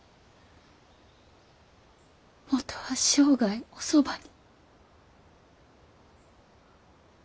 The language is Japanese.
もとは生涯おそばに。